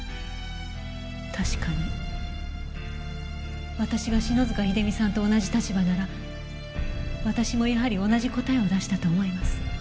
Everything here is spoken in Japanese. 確かに私が篠塚秀実さんと同じ立場なら私もやはり同じ答えを出したと思います。